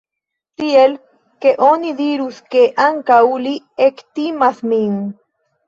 Tiel, ke oni dirus ke, ankaŭ li, ektimas min.